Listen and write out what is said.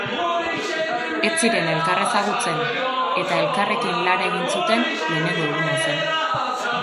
Ez ziren elkar ezagutzen, eta elkarrekin lan egin zuten lehenengo eguna zen.